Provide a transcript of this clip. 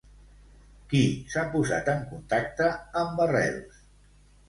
Qui s'ha posat en contacte amb Arrels?